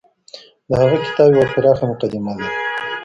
د هغه کتاب يوه پراخه مقدمه لري.